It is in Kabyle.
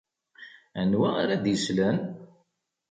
Anwa ara d-islen?